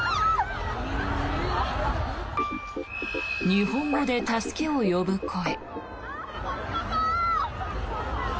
日本語で助けを呼ぶ声。